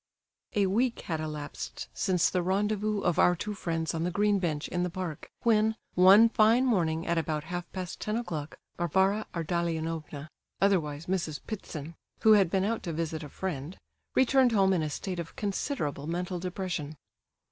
A week had elapsed since the rendezvous of our two friends on the green bench in the park, when, one fine morning at about half past ten o'clock, Varvara Ardalionovna, otherwise Mrs. Ptitsin, who had been out to visit a friend, returned home in a state of considerable mental depression.